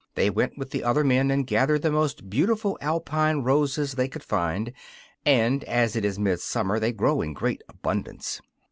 They went with the other men and gathered the most beautiful Alpine roses they could find, and as it is midsummer they grow in great abundance.